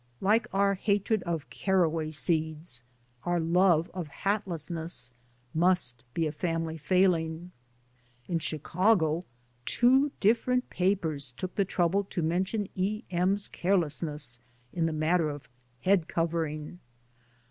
Like our hatred of caraway seeds, our love of hatlessness must be a family failing. In Chicago two different papers took tiie trouble to mention E. M.'s carelessness in the matter of head covering.